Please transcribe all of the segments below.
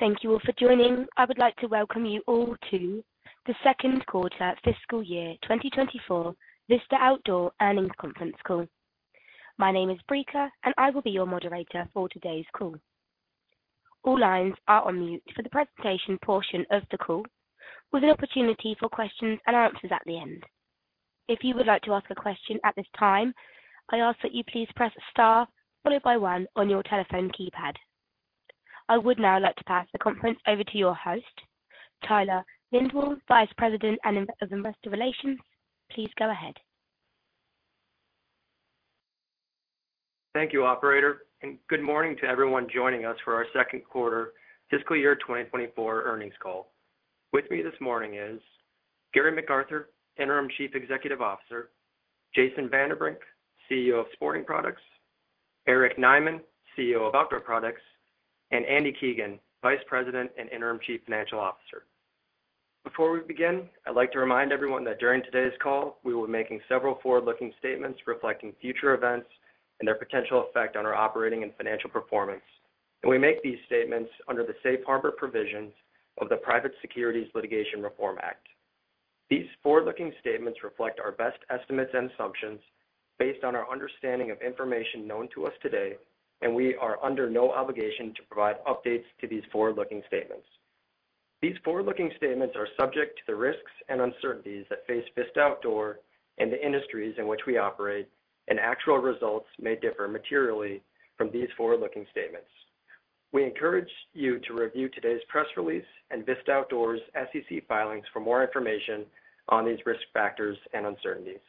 Thank you all for joining. I would like to welcome you all to the second quarter fiscal year 2024 Vista Outdoor Earnings Conference Call. My name is Brica, and I will be your moderator for today's call. All lines are on mute for the presentation portion of the call, with an opportunity for questions and answers at the end. If you would like to ask a question at this time, I ask that you please press Star followed by one on your telephone keypad. I would now like to pass the conference over to your host, Tyler Lindwall, Vice President of Investor Relations. Please go ahead. Thank you, operator, and good morning to everyone joining us for our second quarter fiscal year 2024 earnings call. With me this morning is Gary McArthur, Interim Chief Executive Officer, Jason Vanderbrink, CEO of Sporting Products, Eric Nyman, CEO of Outdoor Products, and Andy Keegan, Vice President and Interim Chief Financial Officer. Before we begin, I'd like to remind everyone that during today's call, we will be making several forward-looking statements reflecting future events and their potential effect on our operating and financial performance. We make these statements under the Safe Harbor Provisions of the Private Securities Litigation Reform Act. These forward-looking statements reflect our best estimates and assumptions based on our understanding of information known to us today, and we are under no obligation to provide updates to these forward-looking statements. These forward-looking statements are subject to the risks and uncertainties that face Vista Outdoor and the industries in which we operate, and actual results may differ materially from these forward-looking statements. We encourage you to review today's press release and Vista Outdoor's SEC filings for more information on these risk factors and uncertainties.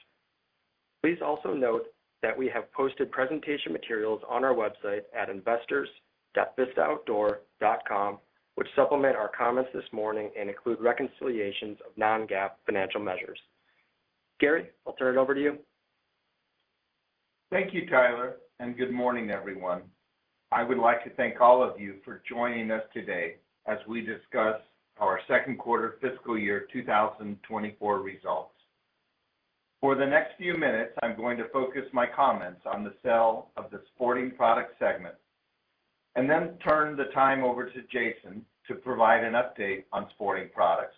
Please also note that we have posted presentation materials on our website at investors.vistaoutdoor.com, which supplement our comments this morning and include reconciliations of non-GAAP financial measures. Gary, I'll turn it over to you. Thank you, Tyler, and good morning, everyone. I would like to thank all of you for joining us today as we discuss our second quarter fiscal year 2024 results. For the next few minutes, I'm going to focus my comments on the sale of the Sporting Products segment and then turn the time over to Jason to provide an update on Sporting Products,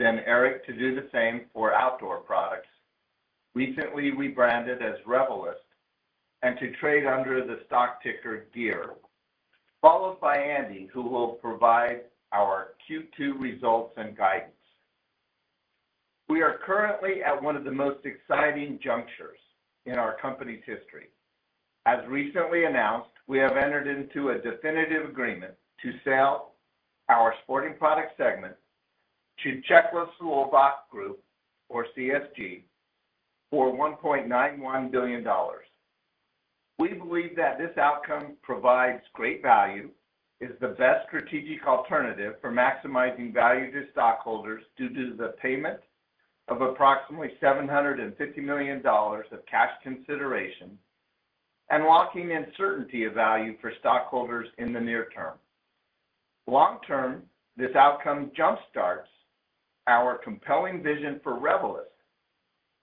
then Eric to do the same for Outdoor Products, recently rebranded as Revelyst and to trade under the stock ticker GEAR, followed by Andy, who will provide our Q2 results and guidance. We are currently at one of the most exciting junctures in our company's history. As recently announced, we have entered into a definitive agreement to sell our Sporting Products segment to Czechoslovak Group, or CSG, for $1.91 billion. We believe that this outcome provides great value, is the best strategic alternative for maximizing value to stockholders due to the payment of approximately $750 million of cash consideration and locking in certainty of value for stockholders in the near term. Long term, this outcome jumpstarts our compelling vision for Revelyst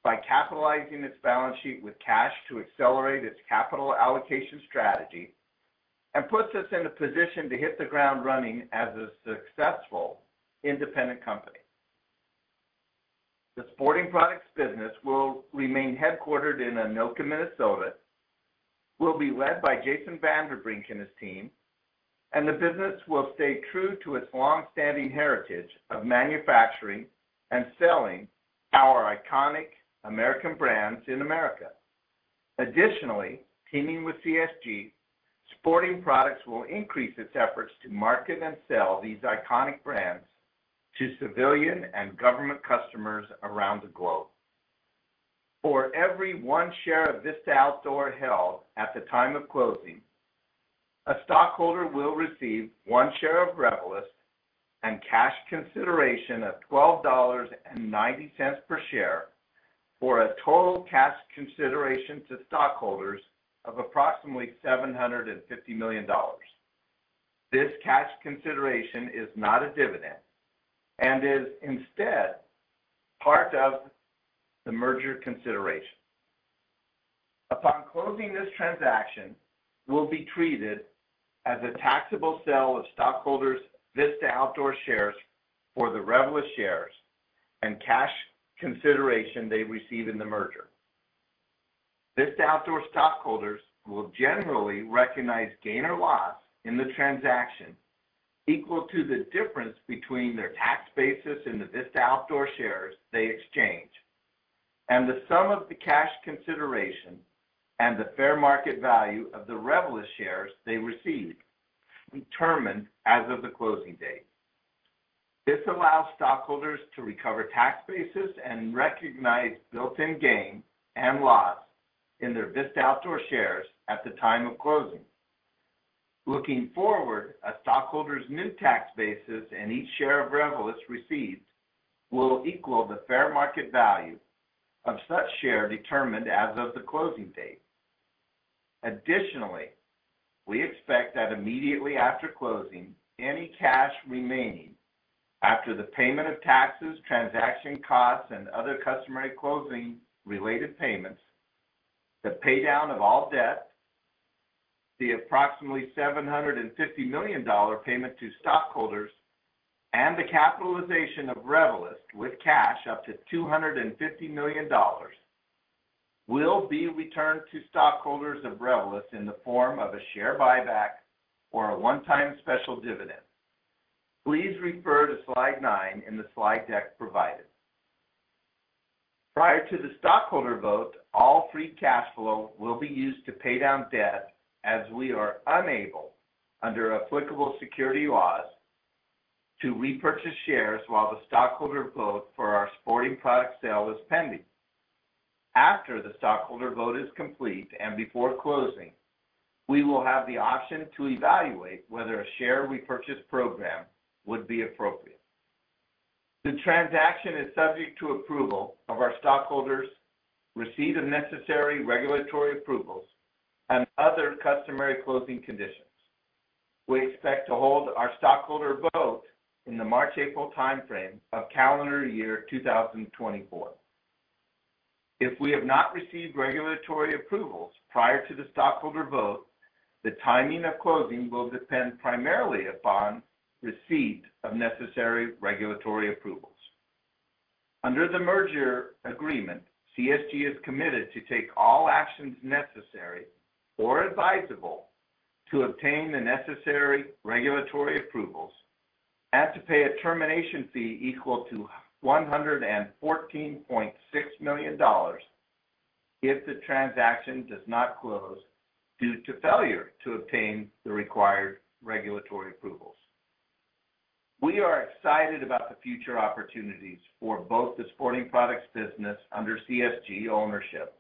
by capitalizing its balance sheet with cash to accelerate its capital allocation strategy and puts us in a position to hit the ground running as a successful independent company. The Sporting Products business will remain headquartered in Anoka, Minnesota, will be led by Jason Vanderbrink and his team, and the business will stay true to its longstanding heritage of manufacturing and selling our iconic American brands in America. Additionally, teaming with CSG, Sporting Products will increase its efforts to market and sell these iconic brands to civilian and government customers around the globe. For every one share of Vista Outdoor held at the time of closing, a stockholder will receive one share of Revelyst and cash consideration of $12.90 per share, for a total cash consideration to stockholders of approximately $750 million. This cash consideration is not a dividend and is instead part of the merger consideration. Upon closing, this transaction will be treated as a taxable sale of stockholders' Vista Outdoor shares for the Revelyst shares and cash consideration they receive in the merger. Vista Outdoor stockholders will generally recognize gain or loss in the transaction equal to the difference between their tax basis and the Vista Outdoor shares they exchange, and the sum of the cash consideration and the fair market value of the Revelyst shares they receive, determined as of the closing date. This allows stockholders to recover tax basis and recognize built-in gain and loss in their Vista Outdoor shares at the time of closing. Looking forward, a stockholder's new tax basis in each share of Revelyst received will equal the fair market value of such share determined as of the closing date. Additionally, we expect that immediately after closing, any cash remaining after the payment of taxes, transaction costs, and other customary closing related payments, the paydown of all debt, the approximately $750 million payment to stockholders, and the capitalization of Revelyst with cash up to $250 million, will be returned to stockholders of Revelyst in the form of a share buyback or a one-time special dividend. Please refer to slide 9 in the slide deck provided. Prior to the stockholder vote, all free cash flow will be used to pay down debt, as we are unable, under applicable securities laws, to repurchase shares while the stockholder vote for our Sporting Products sale is pending. After the stockholder vote is complete and before closing, we will have the option to evaluate whether a share repurchase program would be appropriate. The transaction is subject to approval of our stockholders, receipt of necessary regulatory approvals, and other customary closing conditions. We expect to hold our stockholder vote in the March-April timeframe of calendar year 2024. If we have not received regulatory approvals prior to the stockholder vote, the timing of closing will depend primarily upon receipt of necessary regulatory approvals. Under the merger agreement, CSG is committed to take all actions necessary or advisable to obtain the necessary regulatory approvals and to pay a termination fee equal to $114.6 million if the transaction does not close due to failure to obtain the required regulatory approvals. We are excited about the future opportunities for both the Sporting Products business under CSG ownership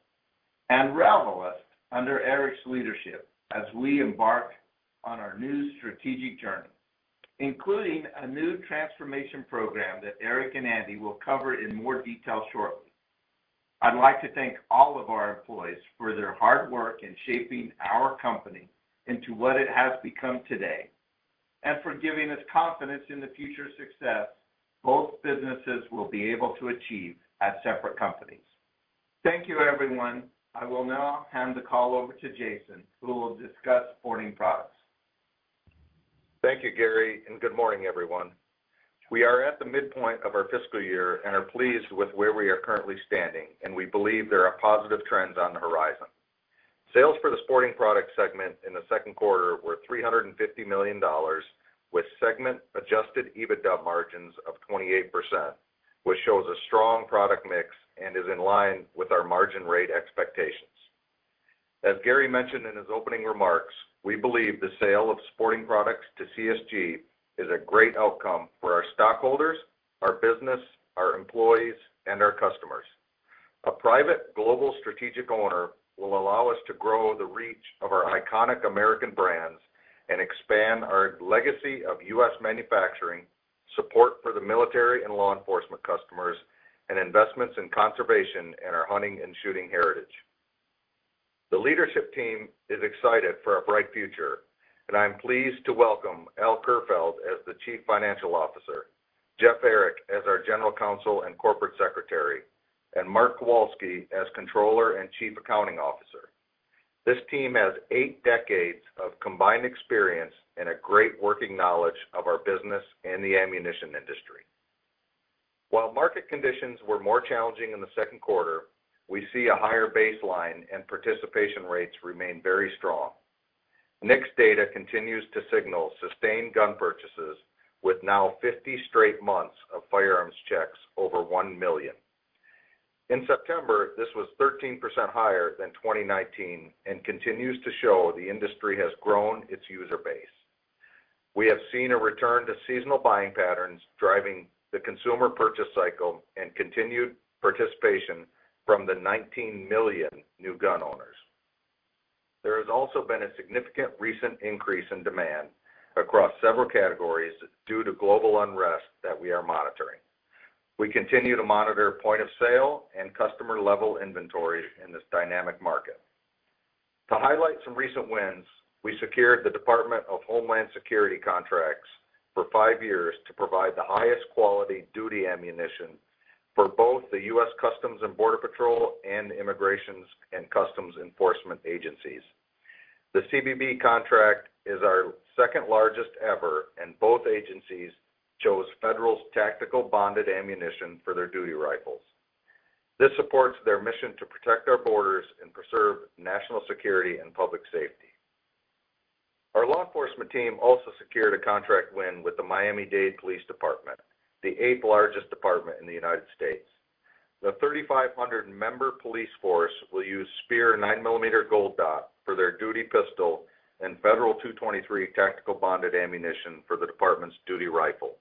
and Revelyst under Eric's leadership as we embark on our new strategic journey, including a new transformation program that Eric and Andy will cover in more detail shortly. I'd like to thank all of our employees for their hard work in shaping our company into what it has become today, and for giving us confidence in the future success both businesses will be able to achieve as separate companies. Thank you, everyone. I will now hand the call over to Jason, who will discuss Sporting Products. Thank you, Gary, and good morning, everyone. We are at the midpoint of our fiscal year and are pleased with where we are currently standing, and we believe there are positive trends on the horizon. Sales for the Sporting Products segment in the second quarter were $350 million, with segment-adjusted EBITDA margins of 28%, which shows a strong product mix and is in line with our margin rate expectations. As Gary mentioned in his opening remarks, we believe the sale of Sporting Products to CSG is a great outcome for our stockholders, our business, our employees, and our customers. A private global strategic owner will allow us to grow the reach of our iconic American brands and expand our legacy of U.S. manufacturing, support for the military and law enforcement customers, and investments in conservation and our hunting and shooting heritage. The leadership team is excited for a bright future, and I'm pleased to welcome Al Kerfeld as the Chief Financial Officer, Jeff Ehrich as our General Counsel and Corporate Secretary, and Mark Kowalski as Controller and Chief Accounting Officer. This team has eight decades of combined experience and a great working knowledge of our business and the ammunition industry. While market conditions were more challenging in the second quarter, we see a higher baseline and participation rates remain very strong. NICS data continues to signal sustained gun purchases, with now 50 straight months of firearms checks over 1 million. In September, this was 13% higher than 2019, and continues to show the industry has grown its user base. We have seen a return to seasonal buying patterns, driving the consumer purchase cycle and continued participation from the 19 million new gun owners. There has also been a significant recent increase in demand across several categories due to global unrest that we are monitoring. We continue to monitor point of sale and customer-level inventory in this dynamic market. To highlight some recent wins, we secured the Department of Homeland Security contracts for 5 years to provide the highest quality duty ammunition for both the U.S. Customs and Border Protection and U.S. Immigration and Customs Enforcement agencies. The CBP contract is our second largest ever, and both agencies chose Federal's Tactical Bonded Ammunition for their duty rifles. This supports their mission to protect our borders and preserve national security and public safety. Our law enforcement team also secured a contract win with the Miami-Dade Police Department, the eighth largest department in the United States. The 3,500-member police force will use Speer 9-millimeter Gold Dot for their duty pistol and Federal .223 Tactical Bonded ammunition for the department's duty rifle.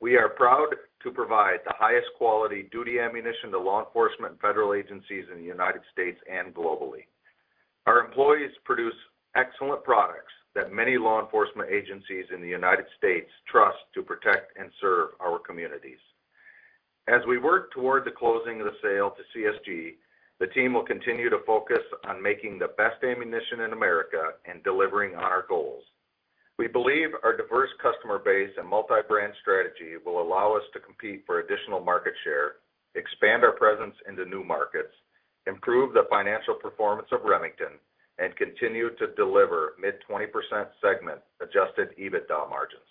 We are proud to provide the highest quality duty ammunition to law enforcement and federal agencies in the United States and globally. Our employees produce excellent products that many law enforcement agencies in the United States trust to protect and serve our communities.... As we work toward the closing of the sale to CSG, the team will continue to focus on making the best ammunition in America and delivering on our goals. We believe our diverse customer base and multi-brand strategy will allow us to compete for additional market share, expand our presence into new markets, improve the financial performance of Remington, and continue to deliver mid-20% segment adjusted EBITDA margins.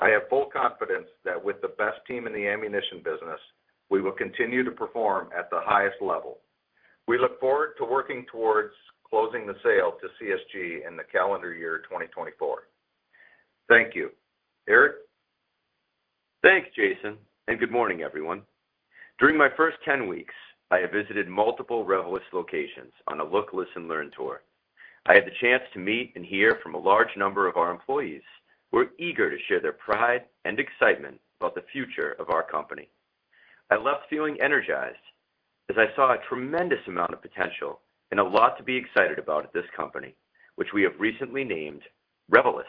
I have full confidence that with the best team in the ammunition business, we will continue to perform at the highest level. We look forward to working towards closing the sale to CSG in the calendar year 2024. Thank you. Eric? Thanks, Jason, and good morning, everyone. During my first 10 weeks, I have visited multiple Revelyst locations on a look, listen, learn tour. I had the chance to meet and hear from a large number of our employees, who are eager to share their pride and excitement about the future of our company. I left feeling energized as I saw a tremendous amount of potential and a lot to be excited about at this company, which we have recently named Revelyst.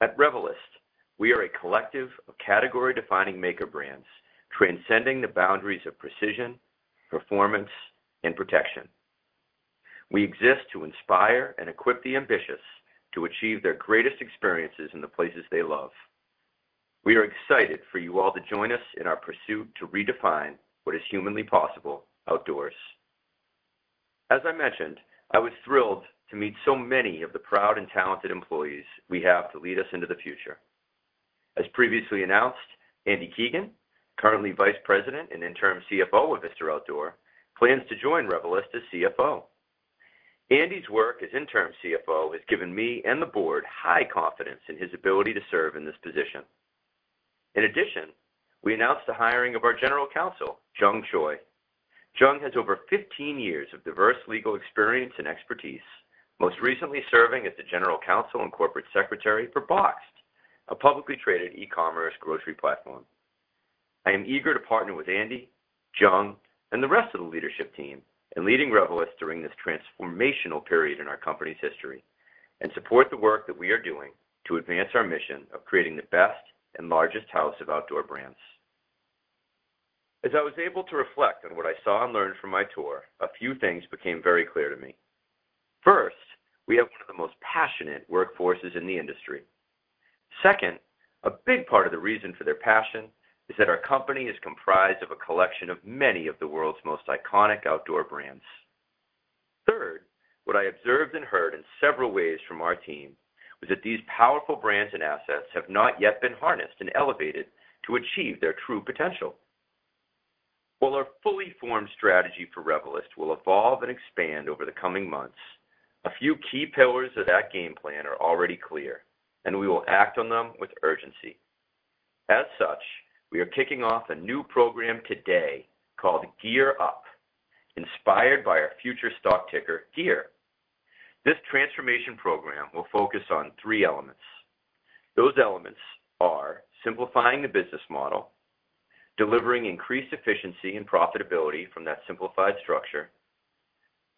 At Revelyst, we are a collective of category-defining maker brands, transcending the boundaries of precision, performance and protection. We exist to inspire and equip the ambitious to achieve their greatest experiences in the places they love. We are excited for you all to join us in our pursuit to redefine what is humanly possible outdoors. As I mentioned, I was thrilled to meet so many of the proud and talented employees we have to lead us into the future. As previously announced, Andy Keegan, currently Vice President and Interim CFO of Vista Outdoor, plans to join Revelyst as CFO. Andy's work as interim CFO has given me and the board high confidence in his ability to serve in this position. In addition, we announced the hiring of our General Counsel, Jung Choi. Jung has over 15 years of diverse legal experience and expertise, most recently serving as the General Counsel and Corporate Secretary for Boxed, a publicly traded e-commerce grocery platform. I am eager to partner with Andy, Jung, and the rest of the leadership team in leading Revelyst during this transformational period in our company's history, and support the work that we are doing to advance our mission of creating the best and largest house of outdoor brands. As I was able to reflect on what I saw and learned from my tour, a few things became very clear to me. First, we have one of the most passionate workforces in the industry. Second, a big part of the reason for their passion is that our company is comprised of a collection of many of the world's most iconic outdoor brands. Third, what I observed and heard in several ways from our team was that these powerful brands and assets have not yet been harnessed and elevated to achieve their true potential. While our fully formed strategy for Revelyst will evolve and expand over the coming months, a few key pillars of that game plan are already clear, and we will act on them with urgency. As such, we are kicking off a new program today called GearUp, inspired by our future stock ticker, GEAR. This transformation program will focus on three elements. Those elements are simplifying the business model, delivering increased efficiency and profitability from that simplified structure,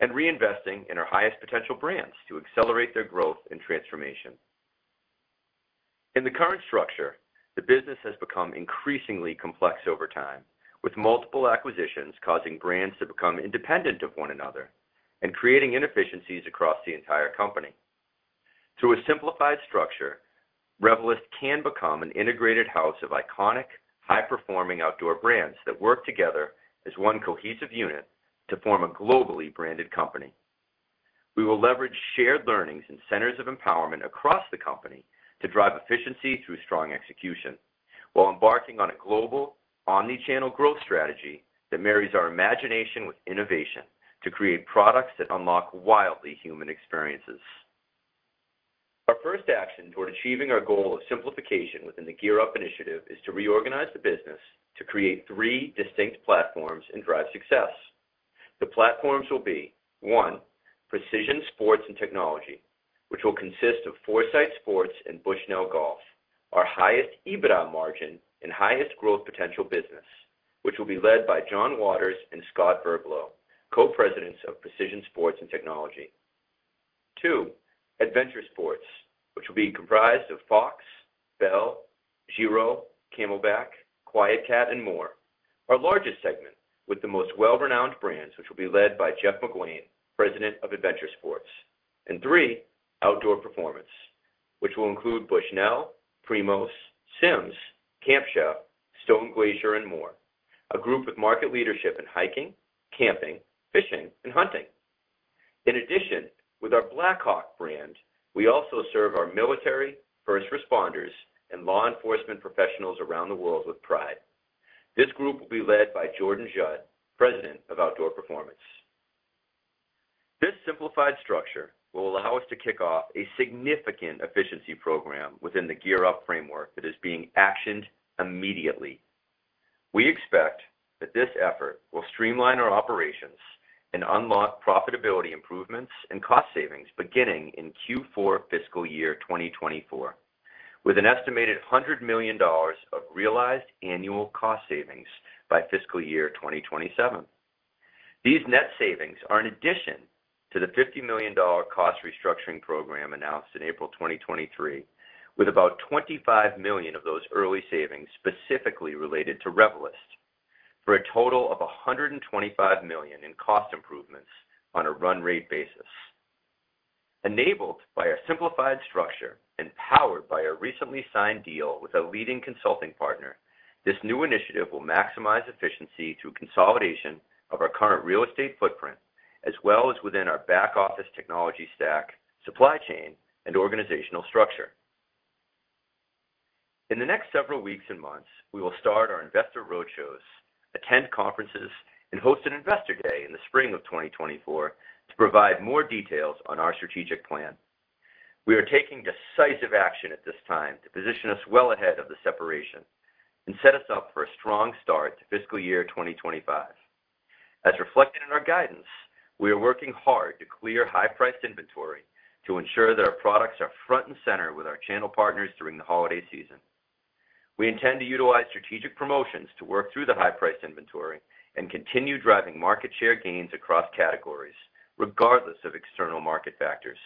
and reinvesting in our highest potential brands to accelerate their growth and transformation. In the current structure, the business has become increasingly complex over time, with multiple acquisitions causing brands to become independent of one another and creating inefficiencies across the entire company. Through a simplified structure, Revelyst can become an integrated house of iconic, high-performing outdoor brands that work together as one cohesive unit to form a globally branded company. We will leverage shared learnings and centers of empowerment across the company to drive efficiency through strong execution, while embarking on a global omni-channel growth strategy that marries our imagination with innovation to create products that unlock wildly human experiences. Our first action toward achieving our goal of simplification within the GearUp initiative is to reorganize the business to create three distinct platforms and drive success. The platforms will be, one, Precision Sports and Technology, which will consist of Foresight Sports and Bushnell Golf, our highest EBITDA margin and highest growth potential business, which will be led by John Waters and Scott Werbelow, Co-Presidents of Precision Sports and Technology. Two, Adventure Sports, which will be comprised of Fox, Bell, Giro, CamelBak, QuietKat, and more. Our largest segment with the most well-renowned brands, which will be led by Jeff McGuane, President of Adventure Sports. And three, Outdoor Performance, which will include Bushnell, Primos, Simms, Camp Chef, Stone Glacier, and more, a group with market leadership in hiking, camping, fishing, and hunting. In addition, with our Blackhawk brand, we also serve our military, first responders, and law enforcement professionals around the world with pride. This group will be led by Jordan Judd, President of Outdoor Performance. This simplified structure will allow us to kick off a significant efficiency program within the GearUp framework that is being actioned immediately. We expect that this effort will streamline our operations and unlock profitability improvements and cost savings beginning in Q4 fiscal year 2024, with an estimated $100 million of realized annual cost savings by fiscal year 2027.... These net savings are in addition to the $50 million cost restructuring program announced in April 2023, with about $25 million of those early savings specifically related to Revelyst, for a total of $125 million in cost improvements on a run rate basis. Enabled by a simplified structure and powered by a recently signed deal with a leading consulting partner, this new initiative will maximize efficiency through consolidation of our current real estate footprint, as well as within our back-office technology stack, supply chain, and organizational structure. In the next several weeks and months, we will start our investor roadshows, attend conferences, and host an Investor Day in the spring of 2024 to provide more details on our strategic plan. We are taking decisive action at this time to position us well ahead of the separation and set us up for a strong start to fiscal year 2025. As reflected in our guidance, we are working hard to clear high-priced inventory to ensure that our products are front and center with our channel partners during the holiday season. We intend to utilize strategic promotions to work through the high-priced inventory and continue driving market share gains across categories, regardless of external market factors.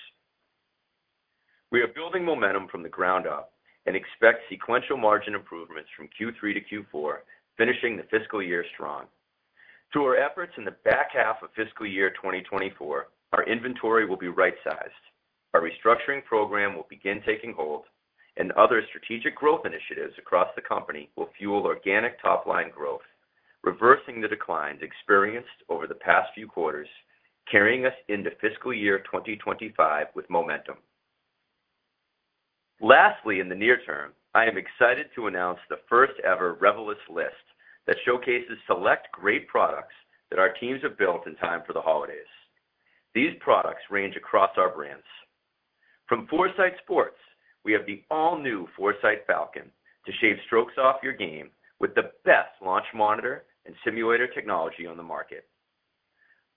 We are building momentum from the ground up and expect sequential margin improvements from Q3 to Q4, finishing the fiscal year strong. Through our efforts in the back half of fiscal year 2024, our inventory will be right-sized, our restructuring program will begin taking hold, and other strategic growth initiatives across the company will fuel organic top-line growth, reversing the declines experienced over the past few quarters, carrying us into fiscal year 2025 with momentum. Lastly, in the near term, I am excited to announce the first-ever Revelyst List that showcases select great products that our teams have built in time for the holidays. These products range across our brands. From Foresight Sports, we have the all-new Foresight Falcon to shave strokes off your game with the best launch monitor and simulator technology on the market.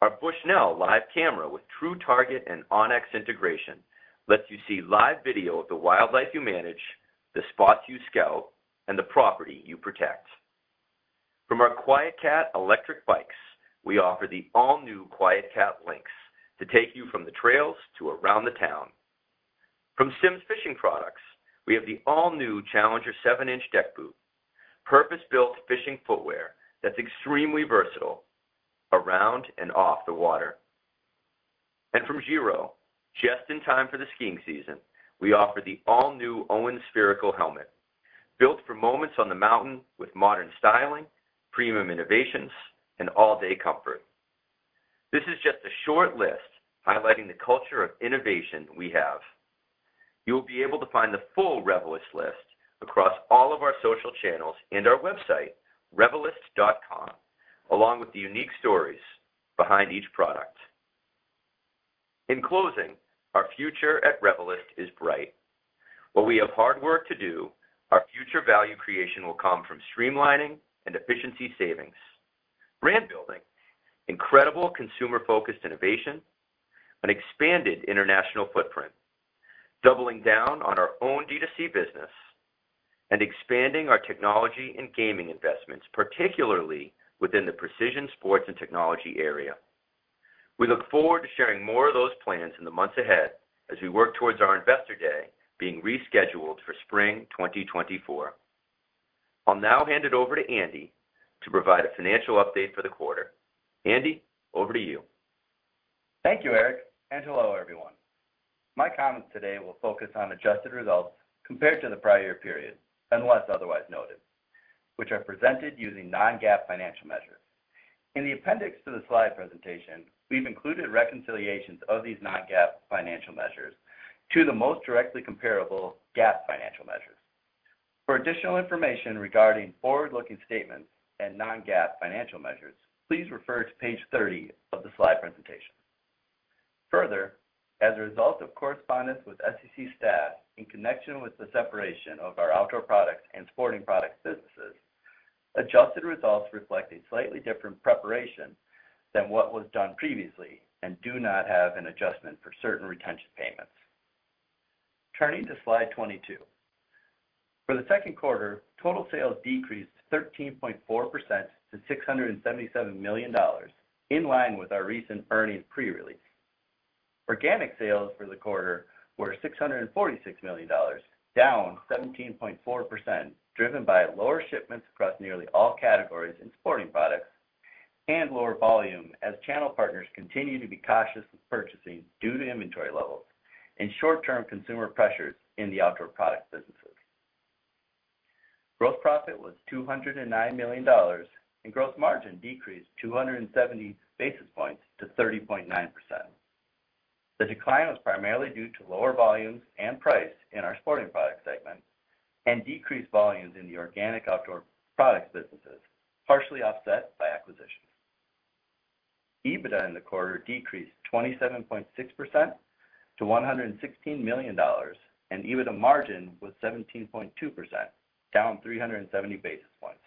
Our Bushnell Live Camera with True Target and onX integration lets you see live video of the wildlife you manage, the spots you scout, and the property you protect. From our QuietKat electric bikes, we offer the all-new QuietKat Lynx to take you from the trails to around the town. From Simms Fishing Products, we have the all-new Challenger 7-inch Deck Boot, purpose-built fishing footwear that's extremely versatile around and off the water. And from Giro, just in time for the skiing season, we offer the all-new Owen Spherical Helmet, built for moments on the mountain with modern styling, premium innovations, and all-day comfort. This is just a short list highlighting the culture of innovation we have. You will be able to find the full Revelyst List across all of our social channels and our website, revelyst.com, along with the unique stories behind each product. In closing, our future at Revelyst is bright. While we have hard work to do, our future value creation will come from streamlining and efficiency savings, brand building, incredible consumer-focused innovation, an expanded international footprint, doubling down on our own D2C business, and expanding our technology and gaming investments, particularly within the precision sports and technology area. We look forward to sharing more of those plans in the months ahead as we work towards our Investor Day being rescheduled for spring 2024. I'll now hand it over to Andy to provide a financial update for the quarter. Andy, over to you. Thank you, Eric, and hello, everyone. My comments today will focus on adjusted results compared to the prior period, unless otherwise noted, which are presented using non-GAAP financial measures. In the appendix to the slide presentation, we've included reconciliations of these non-GAAP financial measures to the most directly comparable GAAP financial measures. For additional information regarding forward-looking statements and non-GAAP financial measures, please refer to page 30 of the slide presentation. Further, as a result of correspondence with SEC staff in connection with the separation of our outdoor products and sporting products businesses, adjusted results reflect a slightly different preparation than what was done previously and do not have an adjustment for certain retention payments. Turning to slide 22. For the second quarter, total sales decreased 13.4% to $677 million, in line with our recent earnings pre-release. Organic sales for the quarter were $646 million, down 17.4%, driven by lower shipments across nearly all categories in sporting products and lower volume as channel partners continue to be cautious with purchasing due to inventory levels and short-term consumer pressures in the outdoor product businesses. Gross profit was $209 million, and gross margin decreased 270 basis points to 30.9%. The decline was primarily due to lower volumes and price in our sporting products segment and decreased volumes in the organic outdoor products businesses, partially offset by acquisitions. EBITDA in the quarter decreased 27.6% to $116 million, and EBITDA margin was 17.2%, down 370 basis points.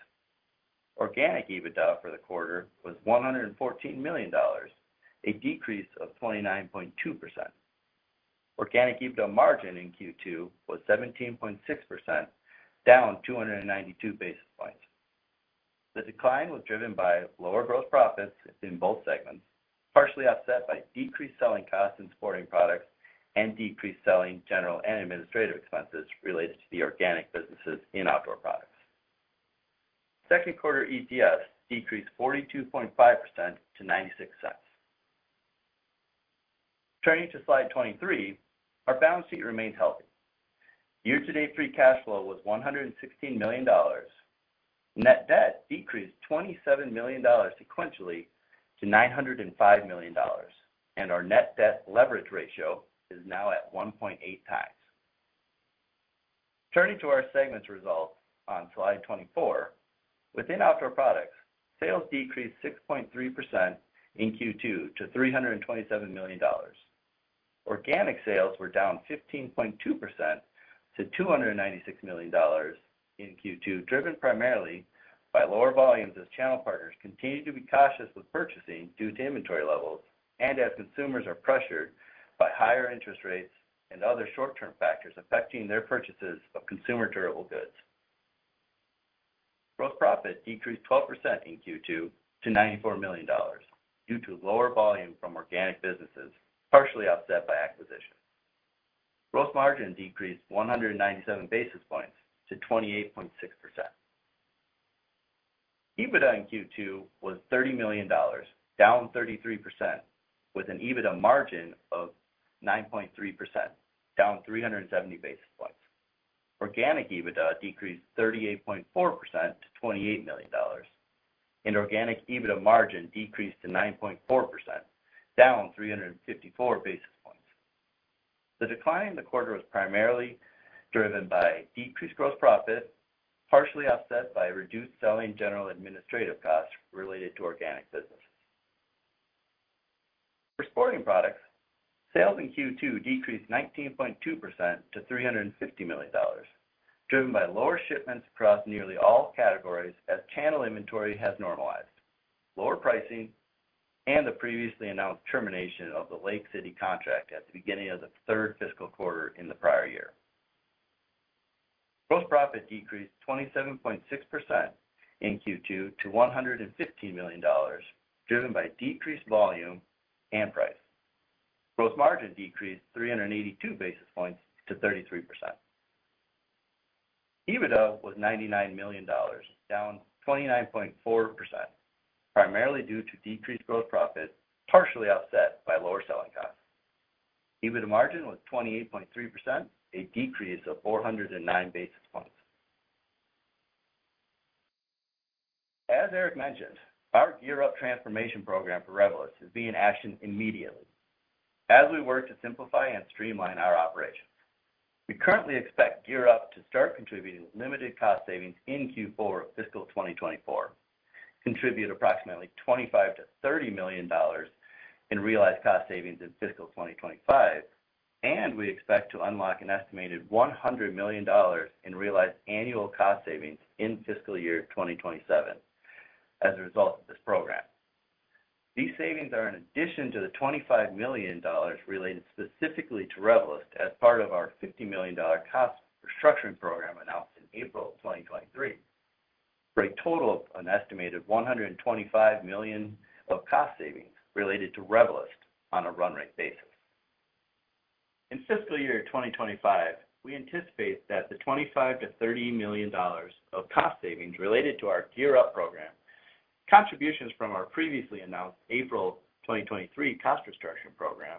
Organic EBITDA for the quarter was $114 million, a decrease of 29.2%.... Organic EBITDA margin in Q2 was 17.6%, down 292 basis points. The decline was driven by lower gross profits in both segments, partially offset by decreased selling costs in sporting products and decreased selling general and administrative expenses related to the organic businesses in outdoor products. Second quarter EPS decreased 42.5% to $0.96. Turning to slide 23, our balance sheet remains healthy. Year-to-date, free cash flow was $116 million. Net debt decreased $27 million sequentially to $905 million, and our net debt leverage ratio is now at 1.8 times. Turning to our segments results on slide 24, within Outdoor Products, sales decreased 6.3% in Q2 to $327 million. Organic sales were down 15.2% to $296 million in Q2, driven primarily by lower volumes as channel partners continued to be cautious with purchasing due to inventory levels, and as consumers are pressured by higher interest rates and other short-term factors affecting their purchases of consumer durable goods. Gross profit decreased 12% in Q2 to $94 million due to lower volume from organic businesses, partially offset by acquisition. Gross margin decreased 197 basis points to 28.6%. EBITDA in Q2 was $30 million, down 33%, with an EBITDA margin of 9.3%, down 370 basis points. Organic EBITDA decreased 38.4% to $28 million, and organic EBITDA margin decreased to 9.4%, down 354 basis points. The decline in the quarter was primarily driven by decreased gross profit, partially offset by reduced selling general administrative costs related to organic businesses. For sporting products, sales in Q2 decreased 19.2% to $350 million, driven by lower shipments across nearly all categories as channel inventory has normalized, lower pricing, and the previously announced termination of the Lake City contract at the beginning of the third fiscal quarter in the prior year. Gross profit decreased 27.6% in Q2 to $115 million, driven by decreased volume and price. Gross margin decreased 382 basis points to 33%. EBITDA was $99 million, down 29.4%, primarily due to decreased gross profit, partially offset by lower selling costs. EBITDA margin was 28.3%, a decrease of 409 basis points. As Eric mentioned, our GearUp transformation program for Revelyst is being actioned immediately. As we work to simplify and streamline our operations, we currently expect GearUp to start contributing limited cost savings in Q4 of fiscal 2024, contribute approximately $25-$30 million in realized cost savings in fiscal 2025, and we expect to unlock an estimated $100 million in realized annual cost savings in fiscal year 2027 as a result of this program. These savings are in addition to the $25 million related specifically to Revelyst as part of our $50 million cost restructuring program announced in April 2023, for a total of an estimated $125 million of cost savings related to Revelyst on a run rate basis. In fiscal year 2025, we anticipate that the $25 million-$30 million of cost savings related to our GearUp program, contributions from our previously announced April 2023 cost restructure program,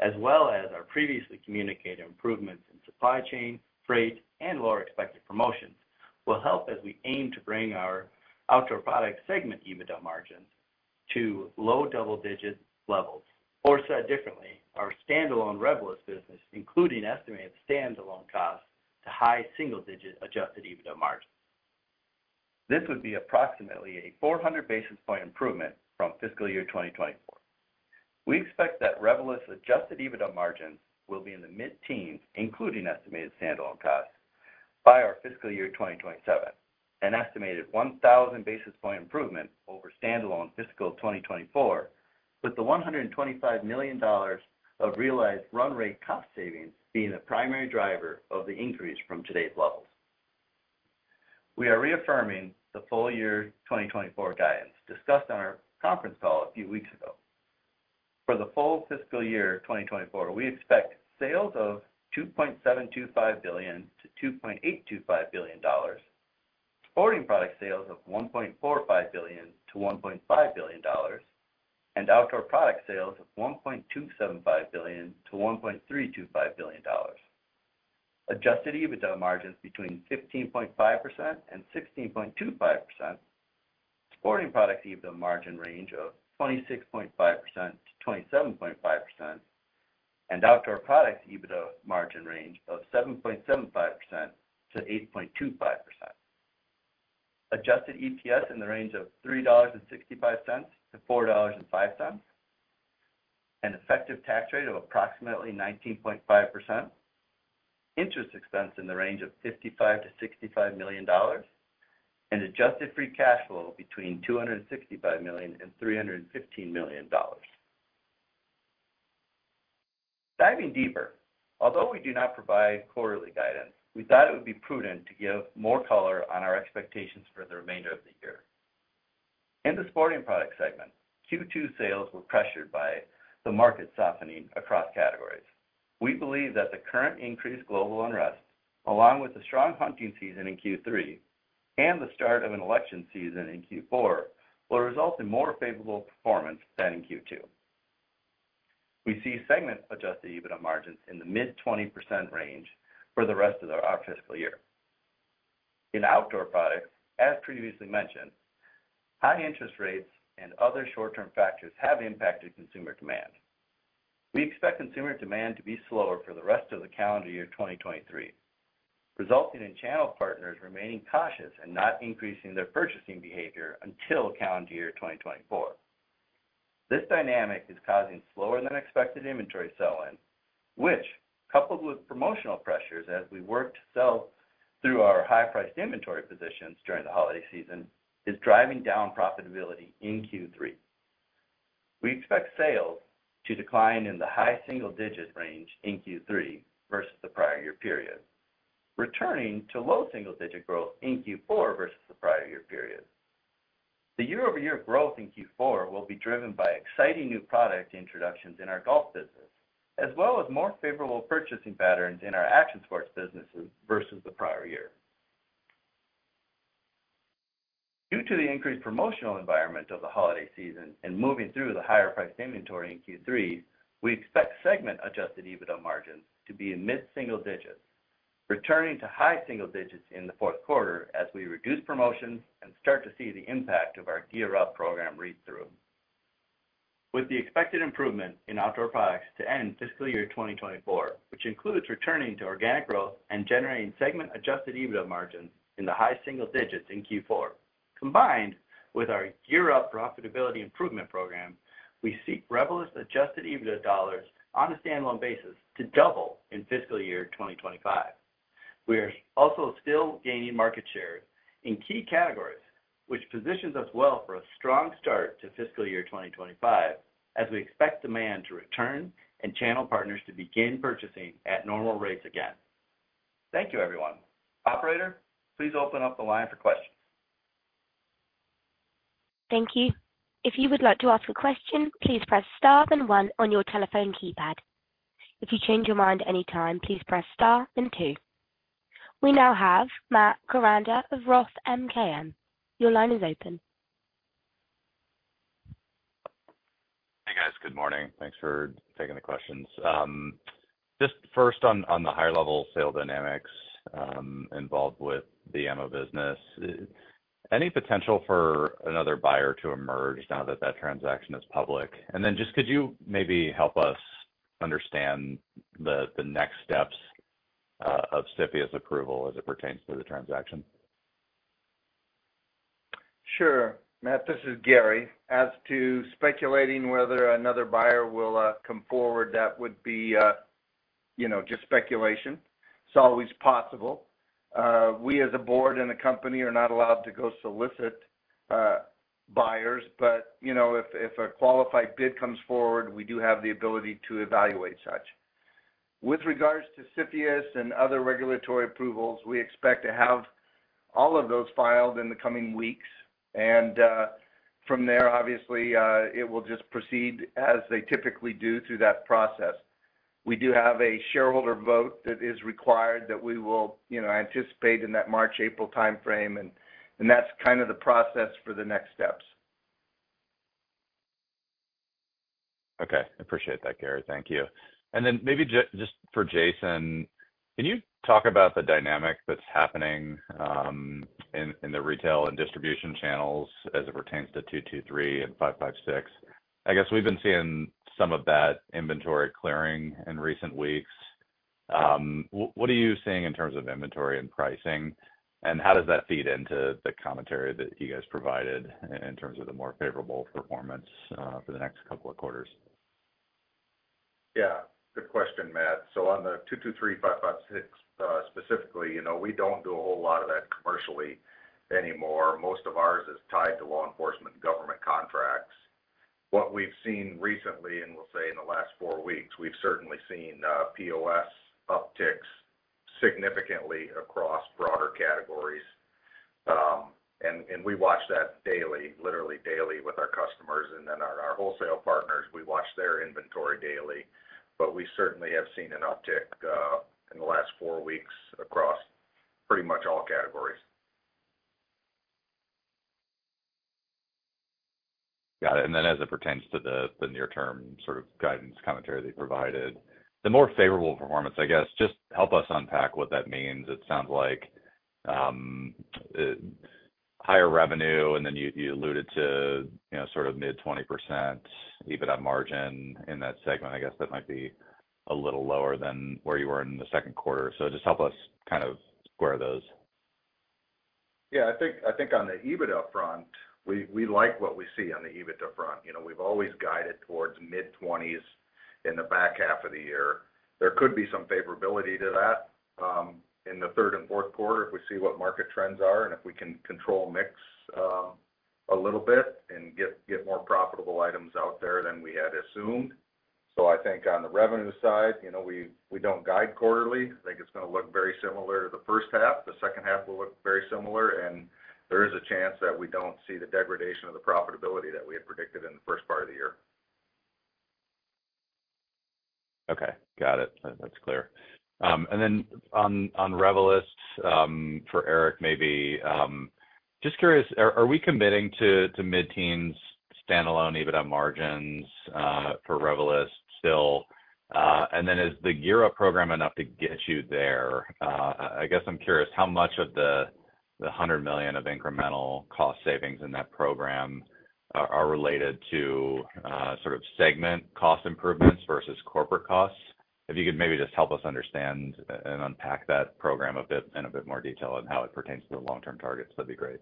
as well as our previously communicated improvements in supply chain, freight, and lower expected promotions, will help as we aim to bring our outdoor products segment EBITDA margins to low double-digit levels, or said differently, our standalone Revelyst business, including estimated standalone costs to high single digit adjusted EBITDA margins. This would be approximately a 400 basis points improvement from fiscal year 2024. We expect that Revelyst adjusted EBITDA margins will be in the mid-teens, including estimated standalone costs, by our fiscal year 2027, an estimated 1,000 basis points improvement over standalone fiscal 2024, with the $125 million of realized run rate cost savings being the primary driver of the increase from today's levels. We are reaffirming the full year 2024 guidance discussed on our conference call a few weeks ago. For the full fiscal year 2024, we expect sales of $2.725 billion-$2.825 billion. Sporting product sales of $1.45 billion-$1.5 billion, and outdoor product sales of $1.275 billion-$1.325 billion. Adjusted EBITDA margins between 15.5% and 16.25%. Sporting Products EBITDA margin range of 26.5%-27.5%, and Outdoor Products EBITDA margin range of 7.75%-8.25%. Adjusted EPS in the range of $3.65-$4.05, an effective tax rate of approximately 19.5%. Interest expense in the range of $55-$65 million, and adjusted free cash flow between $265 million and $315 million. Diving deeper, although we do not provide quarterly guidance, we thought it would be prudent to give more color on our expectations for the remainder of the year. In the Sporting Products segment, Q2 sales were pressured by the market softening across categories. We believe that the current increased global unrest, along with the strong hunting season in Q3 and the start of an election season in Q4, will result in more favorable performance than in Q2. We see segment adjusted EBITDA margins in the mid-20% range for the rest of our fiscal year. In Outdoor Products, as previously mentioned, high interest rates and other short-term factors have impacted consumer demand. We expect consumer demand to be slower for the rest of the calendar year 2023, resulting in channel partners remaining cautious and not increasing their purchasing behavior until calendar year 2024. This dynamic is causing slower than expected inventory sell-in, which, coupled with promotional pressures as we work to sell through our high-priced inventory positions during the holiday season, is driving down profitability in Q3. We expect sales to decline in the high single digit range in Q3 versus the prior year period, returning to low single digit growth in Q4 versus the prior year period. The year-over-year growth in Q4 will be driven by exciting new product introductions in our golf business, as well as more favorable purchasing patterns in our action sports businesses versus the prior year. Due to the increased promotional environment of the holiday season and moving through the higher priced inventory in Q3, we expect segment adjusted EBITDA margins to be in mid single digits, returning to high single digits in the fourth quarter as we reduce promotions and start to see the impact of our GearUp program read through. With the expected improvement in Outdoor Products to end fiscal year 2024, which includes returning to organic growth and generating segment adjusted EBITDA margins in the high single digits in Q4. Combined with our GearUp profitability improvement program, we seek Revelyst adjusted EBITDA dollars on a standalone basis to double in fiscal year 2025. We are also still gaining market share in key categories, which positions us well for a strong start to fiscal year 2025, as we expect demand to return and channel partners to begin purchasing at normal rates again. Thank you, everyone. Operator, please open up the line for questions. Thank you. If you would like to ask a question, please press Star and One on your telephone keypad. If you change your mind any time, please press Star then Two. We now have Matt Koranda of Roth MKM. Your line is open. Hey, guys. Good morning. Thanks for taking the questions. Just first on the higher level sales dynamics involved with the ammo business, any potential for another buyer to emerge now that that transaction is public? And then just could you maybe help us understand the next steps of CFIUS approval as it pertains to the transaction? Sure, Matt, this is Gary. As to speculating whether another buyer will come forward, that would be, you know, just speculation. It's always possible. We, as a board and a company, are not allowed to go solicit buyers, but, you know, if, if a qualified bid comes forward, we do have the ability to evaluate such. With regards to CFIUS and other regulatory approvals, we expect to have all of those filed in the coming weeks, and, from there, obviously, it will just proceed as they typically do through that process. We do have a shareholder vote that is required that we will, you know, anticipate in that March, April timeframe, and, and that's kind of the process for the next steps. Okay. Appreciate that, Gary. Thank you. And then maybe just for Jason, can you talk about the dynamic that's happening in the retail and distribution channels as it pertains to .223 and 5.56? I guess we've been seeing some of that inventory clearing in recent weeks. What are you seeing in terms of inventory and pricing, and how does that feed into the commentary that you guys provided in terms of the more favorable performance for the next couple of quarters? Yeah, good question, Matt. So on the 223, 556, specifically, you know, we don't do a whole lot of that commercially anymore. Most of ours is tied to law enforcement and government contracts. What we've seen recently, and we'll say in the last 4 weeks, we've certainly seen POS upticks significantly across broader categories. And, and we watch that daily, literally daily with our customers and then our, our wholesale partners, we watch their inventory daily. But we certainly have seen an uptick, in the last 4 weeks across pretty much all categories. Got it. And then, as it pertains to the near-term sort of guidance commentary that you provided, the more favorable performance, I guess, just help us unpack what that means. It sounds like higher revenue, and then you alluded to, you know, sort of mid-20% EBITDA margin in that segment. I guess that might be a little lower than where you were in the second quarter. So just help us kind of square those.... Yeah, I think, I think on the EBITDA front, we, we like what we see on the EBITDA front. You know, we've always guided towards mid-20s in the back half of the year. There could be some favorability to that in the third and fourth quarter, if we see what market trends are and if we can control mix a little bit and get, get more profitable items out there than we had assumed. So I think on the revenue side, you know, we, we don't guide quarterly. I think it's gonna look very similar to the first half. The second half will look very similar, and there is a chance that we don't see the degradation of the profitability that we had predicted in the first part of the year. Okay, got it. That's clear. And then on Revelyst, for Eric, maybe just curious, are we committing to mid-teens standalone EBITDA margins for Revelyst still? And then is the GearUp program enough to get you there? I guess I'm curious how much of the $100 million of incremental cost savings in that program are related to sort of segment cost improvements versus corporate costs? If you could maybe just help us understand and unpack that program a bit, in a bit more detail on how it pertains to the long-term targets, that'd be great.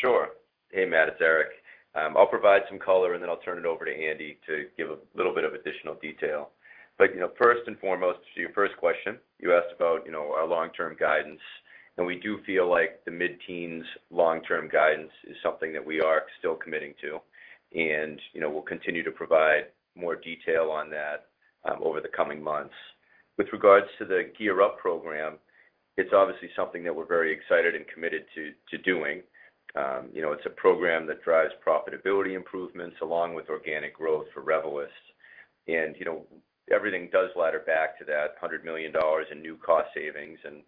Sure. Hey, Matt, it's Eric. I'll provide some color, and then I'll turn it over to Andy to give a little bit of additional detail. But, you know, first and foremost, to your first question, you asked about, you know, our long-term guidance, and we do feel like the mid-teens long-term guidance is something that we are still committing to. And, you know, we'll continue to provide more detail on that, over the coming months. With regards to the GearUp program, it's obviously something that we're very excited and committed to, to doing. You know, it's a program that drives profitability improvements along with organic growth for Revelyst. And, you know, everything does ladder back to that $100 million in new cost savings and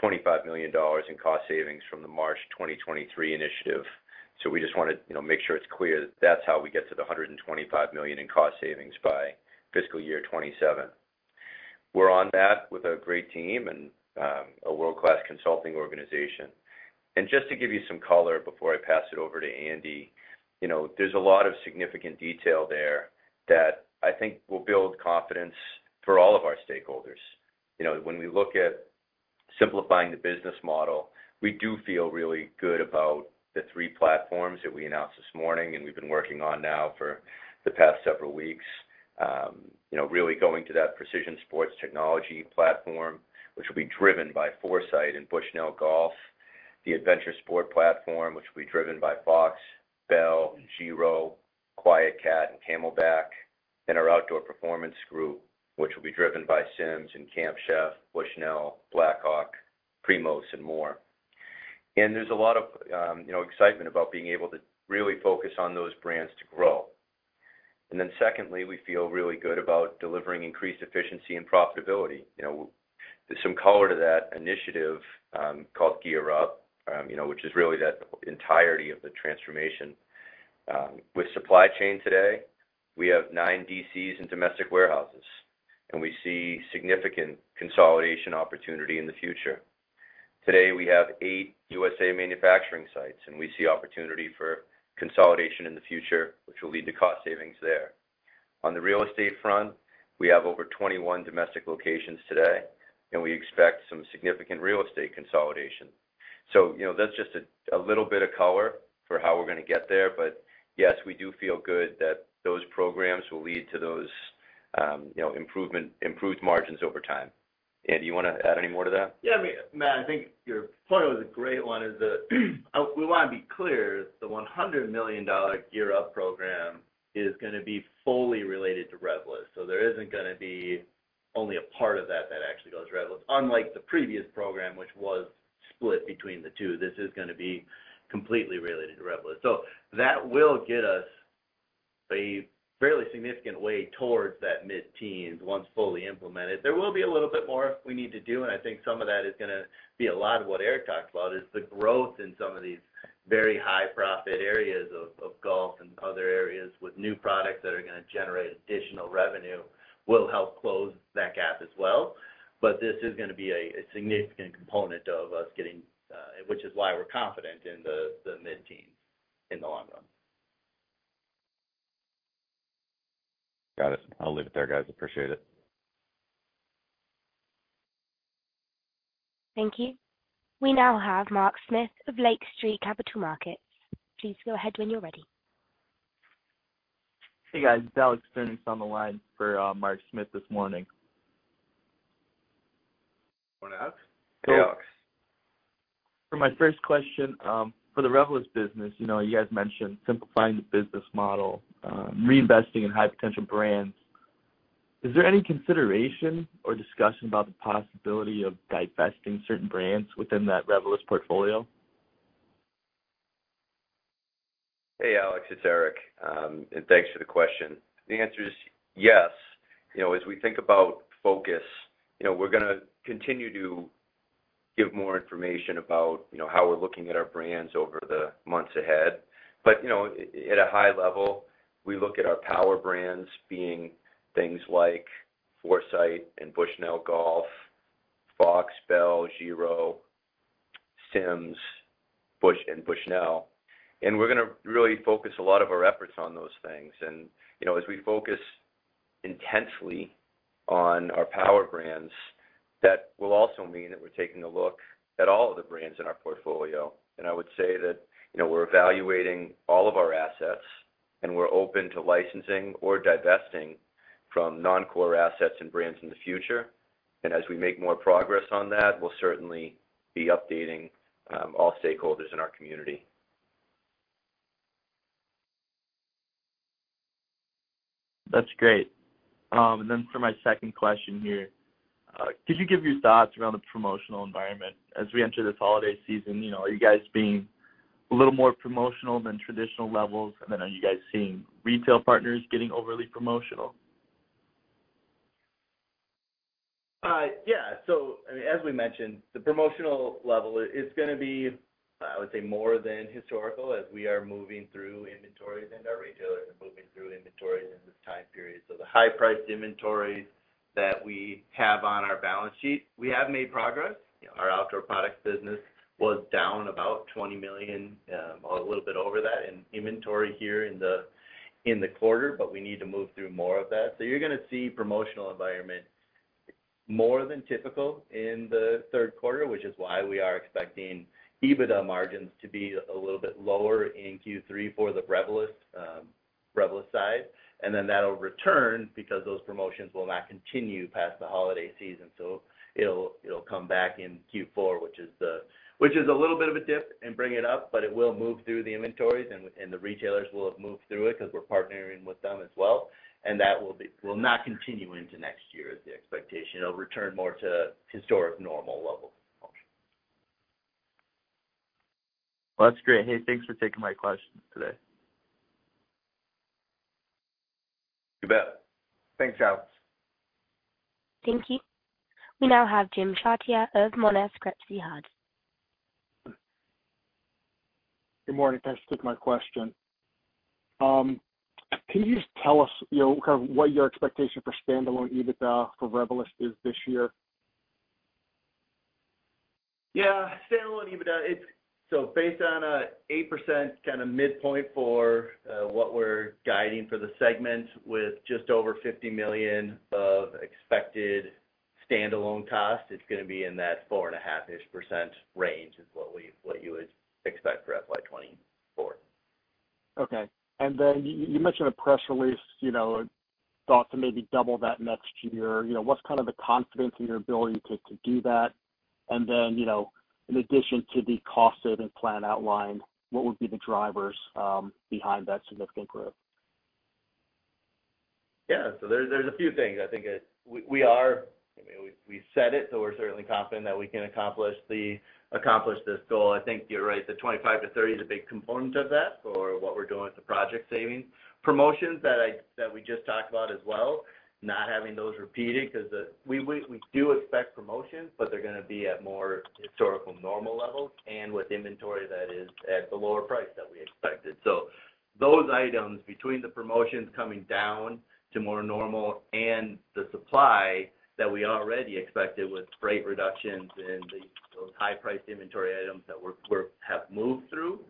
$25 million in cost savings from the March 2023 initiative. So we just want to, you know, make sure it's clear that's how we get to the $125 million in cost savings by fiscal year 2027. We're on that with a great team and a world-class consulting organization. And just to give you some color before I pass it over to Andy, you know, there's a lot of significant detail there that I think will build confidence for all of our stakeholders. You know, when we look at simplifying the business model, we do feel really good about the three platforms that we announced this morning, and we've been working on now for the past several weeks. You know, really going to that precision sports technology platform, which will be driven by Foresight and Bushnell Golf, the Adventure Sports platform, which will be driven by Fox, Bell, Giro, QuietKat, and CamelBak, and our Outdoor Performance Group, which will be driven by Simms and Camp Chef, Bushnell, Blackhawk, Primos, and more. And there's a lot of excitement about being able to really focus on those brands to grow. And then secondly, we feel really good about delivering increased efficiency and profitability. You know, there's some color to that initiative called GearUp, you know, which is really that entirety of the transformation. With supply chain today, we have nine DCs and domestic warehouses, and we see significant consolidation opportunity in the future. Today, we have 8 USA manufacturing sites, and we see opportunity for consolidation in the future, which will lead to cost savings there. On the real estate front, we have over 21 domestic locations today, and we expect some significant real estate consolidation. So, you know, that's just a little bit of color for how we're gonna get there, but yes, we do feel good that those programs will lead to those, you know, improved margins over time. Andy, you want to add any more to that? Yeah, I mean, Matt, I think your point was a great one, is that, we want to be clear, the $100 million GearUp program is gonna be fully related to Revelyst. So there isn't gonna be only a part of that that actually goes to Revelyst. Unlike the previous program, which was split between the two, this is gonna be completely related to Revelyst. So that will get us a fairly significant way towards that mid-teens, once fully implemented. There will be a little bit more we need to do, and I think some of that is gonna be a lot of what Eric talked about, is the growth in some of these very high-profit areas of, of golf and other areas with new products that are gonna generate additional revenue, will help close that gap as well. But this is gonna be a significant component of us getting, which is why we're confident in the mid-teens in the long run. Got it. I'll leave it there, guys. Appreciate it. Thank you. We now have Mark Smith of Lake Street Capital Markets. Please go ahead when you're ready. Hey, guys, Alex Sturnieks on the line for Mark Smith this morning. Good morning, Alex. Hey, Alex. For my first question, for the Revelyst business, you know, you guys mentioned simplifying the business model, reinvesting in high-potential brands. Is there any consideration or discussion about the possibility of divesting certain brands within that Revelyst portfolio? Hey, Alex, it's Eric. And thanks for the question. The answer is yes. You know, as we think about focus, you know, we're gonna continue to give more information about, you know, how we're looking at our brands over the months ahead. But, you know, at a high level, we look at our power brands being things like Foresight and Bushnell Golf, Fox, Bell, Giro, Simms.... Bush and Bushnell. We're gonna really focus a lot of our efforts on those things. You know, as we focus intensely on our power brands, that will also mean that we're taking a look at all of the brands in our portfolio. And I would say that, you know, we're evaluating all of our assets, and we're open to licensing or divesting from non-core assets and brands in the future. And as we make more progress on that, we'll certainly be updating all stakeholders in our community. That's great. And then for my second question here, could you give your thoughts around the promotional environment? As we enter this holiday season, you know, are you guys being a little more promotional than traditional levels? And then are you guys seeing retail partners getting overly promotional? Yeah. So, I mean, as we mentioned, the promotional level is gonna be, I would say, more than historical as we are moving through inventories and our retailers are moving through inventories in this time period. So the high-priced inventories that we have on our balance sheet, we have made progress. You know, our outdoor products business was down about $20 million, a little bit over that in inventory here in the quarter, but we need to move through more of that. So you're gonna see promotional environment more than typical in the third quarter, which is why we are expecting EBITDA margins to be a little bit lower in Q3 for the Revelyst side. And then that'll return because those promotions will not continue past the holiday season. So it'll come back in Q4, which is the... Which is a little bit of a dip and bring it up, but it will move through the inventories, and the retailers will have moved through it because we're partnering with them as well. And that will not continue into next year, is the expectation. It'll return more to historic normal levels. Well, that's great. Hey, thanks for taking my questions today. You bet. Thanks, Alex. Thank you. We now have Jim Chartier of Monness, Crespi, Hardt. Good morning, thanks for taking my question. Can you just tell us, you know, kind of what your expectation for standalone EBITDA for Revelyst is this year? Yeah, standalone EBITDA, it's so based on an 8% kind of midpoint for what we're guiding for the segment, with just over $50 million of expected standalone cost, it's gonna be in that 4.5%-ish% range, is what you would expect for FY 2024. Okay. And then you mentioned a press release, you know, thought to maybe double that next year. You know, what's kind of the confidence in your ability to do that? And then, you know, in addition to the cost save and plan outline, what would be the drivers behind that significant growth? Yeah. So there, there's a few things. I think we are... I mean, we said it, so we're certainly confident that we can accomplish this goal. I think you're right, the 25-30 is a big component of that for what we're doing with the project savings. Promotions that we just talked about as well, not having those repeated, because... We do expect promotions, but they're gonna be at more historical normal levels and with inventory that is at the lower price that we expected. So those items, between the promotions coming down to more normal and the supply that we already expected with freight reductions and the those high-priced inventory items that we have moved through,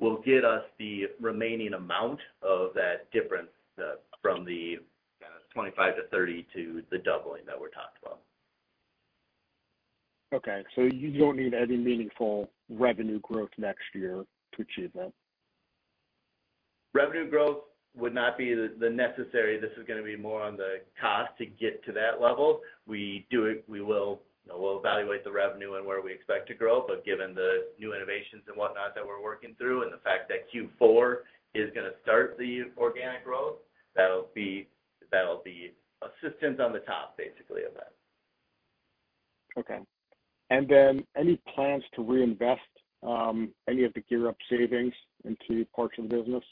will get us the remaining amount of that difference from the kind of 25-30 to the doubling that we're talking about. Okay, so you don't need any meaningful revenue growth next year to achieve that? Revenue growth would not be the necessary. This is gonna be more on the cost to get to that level. We will, you know, we'll evaluate the revenue and where we expect to grow, but given the new innovations and whatnot that we're working through and the fact that Q4 is gonna start the organic growth, that'll be, that'll be assistance on the top, basically, of that. Okay. And then, any plans to reinvest any of the GearUp savings into portions of business?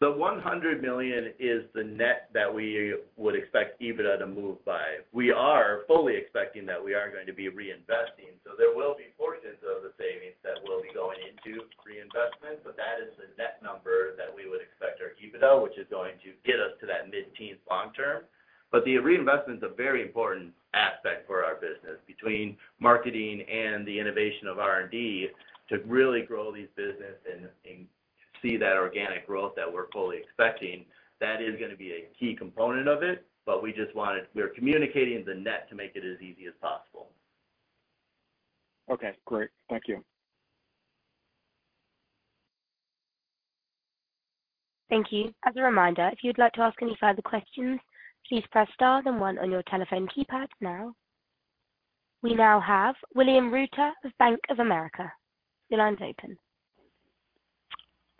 The $100 million is the net that we would expect EBITDA to move by. We are fully expecting that we are going to be reinvesting, so there will be portions of the savings that will be going into reinvestment, but that is the net number that we would expect our EBITDA, which is going to get us to that mid-teens long term. But the reinvestment is a very important aspect for our business. Between marketing and the innovation of R&D, to really grow these business and see that organic growth that we're fully expecting, that is gonna be a key component of it, but we just wanted to—we are communicating the net to make it as easy as possible. Okay, great. Thank you. Thank you. As a reminder, if you'd like to ask any further questions, please press star then one on your telephone keypad now. We now have William Reuter of Bank of America. Your line's open.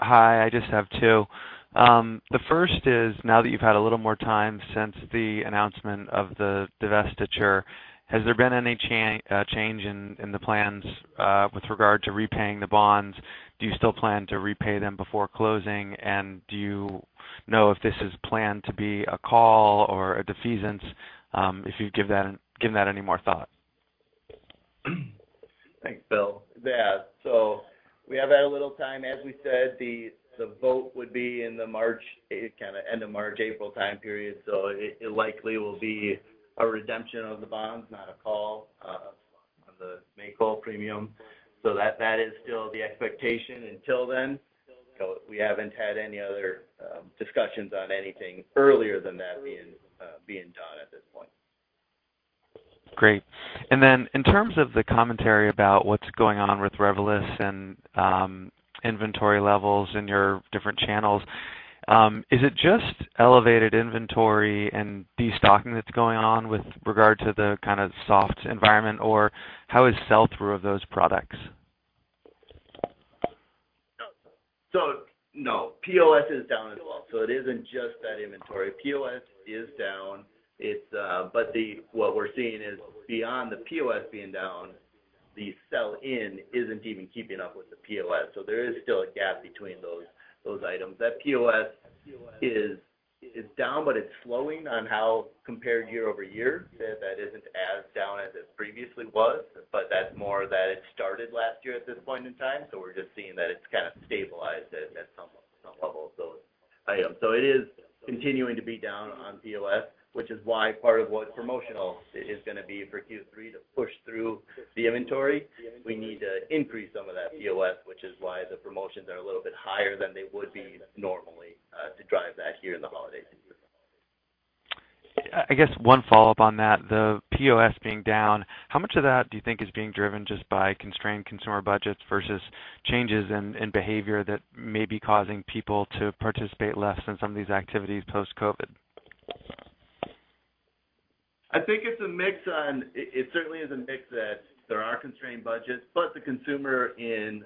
Hi, I just have two. The first is, now that you've had a little more time since the announcement of the divestiture, has there been any change in the plans with regard to repaying the bonds? Do you still plan to repay them before closing? And do you know if this is planned to be a call or a defeasance, if you'd give that given that any more thought? Thanks, Bill. Yeah. So we have had a little time, as we said, the vote would be in the March, kind of end of March, April time period. So it likely will be a redemption of the bonds, not a call, on the May call premium. So that is still the expectation until then. So we haven't had any other discussions on anything earlier than that being done at this point. Great. And then in terms of the commentary about what's going on with Revelyst and, inventory levels in your different channels, is it just elevated inventory and destocking that's going on with regard to the kind of soft environment, or how is sell-through of those products? So no, POS is down as well, so it isn't just that inventory. POS is down, it's, but the what we're seeing is beyond the POS being down, the sell-in isn't even keeping up with the POS, so there is still a gap between those, those items. That POS is, is down, but it's slowing on how compared year-over-year, that isn't as down as it previously was, but that's more that it started last year at this point in time. So we're just seeing that it's kind of stabilized at, at some, some level, so. So it is continuing to be down on POS, which is why part of what promotional is gonna be for Q3 to push through the inventory. We need to increase some of that POS, which is why the promotions are a little bit higher than they would be normally, to drive that here in the holiday season. I guess one follow-up on that, the POS being down, how much of that do you think is being driven just by constrained consumer budgets versus changes in behavior that may be causing people to participate less in some of these activities post-COVID? I think it's a mix, it certainly is a mix, that there are constrained budgets, but the consumer in,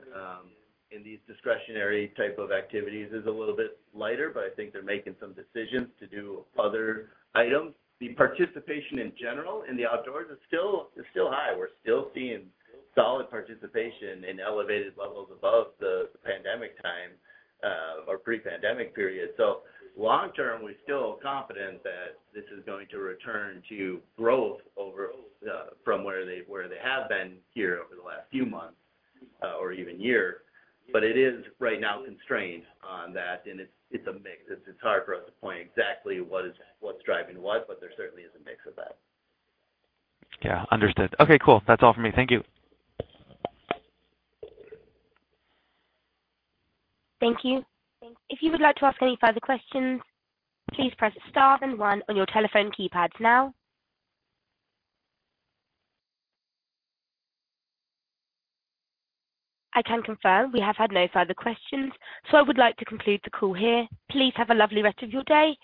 in these discretionary type of activities is a little bit lighter, but I think they're making some decisions to do other items. The participation in general, in the outdoors is still high. We're still seeing solid participation in elevated levels above the pandemic time, or pre-pandemic period. So long term, we're still confident that this is going to return to growth over from where they have been here over the last few months, or even year. But it is right now constrained on that, and it's a mix. It's hard for us to point exactly what's driving what, but there certainly is a mix of that. Yeah, understood. Okay, cool. That's all for me. Thank you. Thank you. If you would like to ask any further questions, please press Star and One on your telephone keypads now. I can confirm we have had no further questions, so I would like to conclude the call here. Please have a lovely rest of your day.